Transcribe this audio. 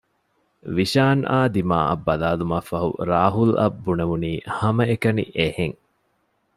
ވިޝާންއާ ދިމާއަށް ބަލާލުމަށްފަހު ރާހުލްއަށް ބުނެވުނީ ހަމައެކަނި އެހެން